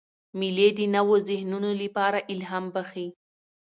مېلې د نوو ذهنونو له پاره الهام بخښي.